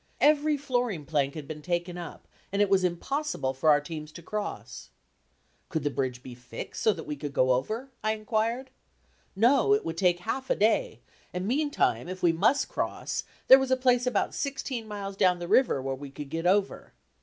Every flooring plank had been taken up and it was impossible for our teams to cross. "Could the bridge be fixed so that we could go over?" I inquired; "No; it would take half a day, and meantime if we must cross, there was a place about sixteen miles down the river where we could get over."